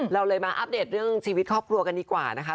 เราเลยมาอัปเดตเรื่องชีวิตครอบครัวกันดีกว่านะคะ